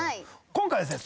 今回ですね